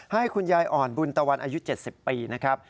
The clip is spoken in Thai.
ให้คุณยายอ่อนบุญตะวันอายุ๗๐ปีนะครับ